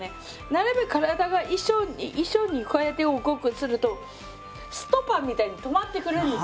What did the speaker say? なるべく体が一緒にこうやって動くとするとストッパーみたいに止まってくれるんです。